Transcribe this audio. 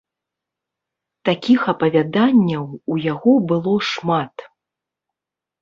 Такіх апавяданняў у яго было шмат.